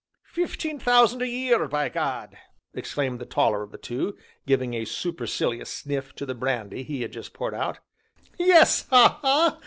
"Fifteen thousand a year, by gad!" exclaimed the taller of the two, giving a supercilious sniff to the brandy he had just poured out. "Yes, ha! ha!